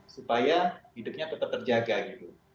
supaya hidupnya tetap terjaga gitu